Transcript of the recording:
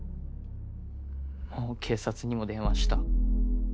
もう警察にも電話した。